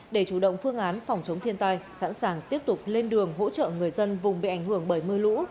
để chủ động phương án phòng chống thiên tai sẵn sàng tiếp tục lên đường hỗ trợ người dân vùng bị ảnh hưởng bởi mưa lũ